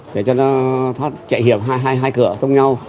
để cho nó thoát chạy hiểm hai cửa thông nhau